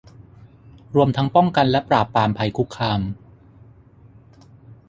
รวมทั้งป้องกันและปราบปรามภัยคุกคาม